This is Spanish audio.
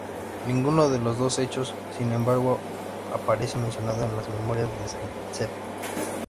Ninguno de los dos hechos, sin embargo, aparece mencionado en las memorias de Záitsev.